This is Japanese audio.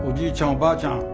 おばあちゃん